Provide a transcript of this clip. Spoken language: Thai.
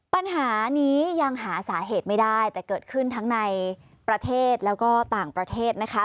ปัญหานี้ยังหาสาเหตุไม่ได้แต่เกิดขึ้นทั้งในประเทศแล้วก็ต่างประเทศนะคะ